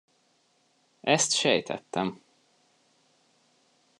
Ezt sejtettem!